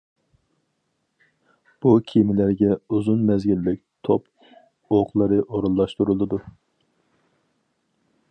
بۇ كېمىلەرگە ئۇزۇن مەزگىللىك توپ ئوقلىرى ئورۇنلاشتۇرۇلىدۇ.